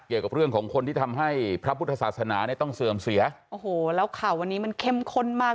เกี่ยวกับเรื่องของคนที่ทำให้พระพุทธศาสนาเนี่ยต้องเสื่อมเสียโอ้โหแล้วข่าววันนี้มันเข้มข้นมาก